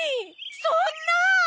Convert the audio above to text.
そんな！